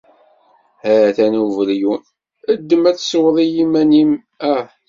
Ha-t-an ubelyun, ddem ad tesweḍ i yiman-im ah!